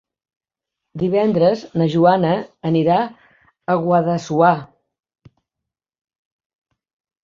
Divendres na Joana anirà a Guadassuar.